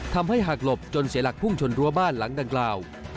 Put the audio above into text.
หากหลบจนเสียหลักพุ่งชนรั้วบ้านหลังดังกล่าว